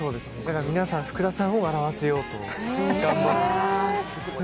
皆さん、福田さんを笑わそうと頑張る。